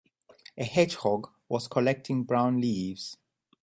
A hedgehog was collecting brown leaves.